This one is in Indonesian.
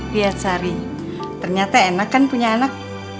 liat sari ternyata enak kan punya anak